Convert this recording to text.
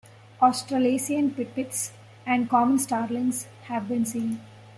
Australasian pipits and common starlings have been seen.